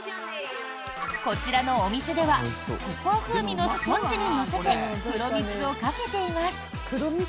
こちらのお店ではココア風味のスポンジに乗せて黒蜜をかけています。